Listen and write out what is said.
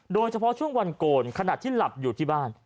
โดยเฉพาะช่วงวันโกนขณะที่หลับอยู่ที่บ้าน